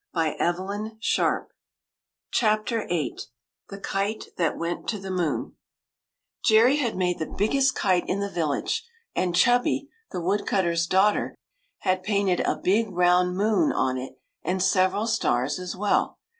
" The Kite That Went to the Moon II The Kite That Went to the Moon JERRY had made the biggest kite in the village; and Chubby, the woodcutter's daughter, had painted a big round moon on it and several stars as well.